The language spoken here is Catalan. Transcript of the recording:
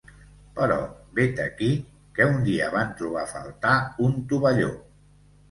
Però vet aquí que un dia van trobar a faltar un tovalló.